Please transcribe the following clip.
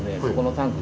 タンク？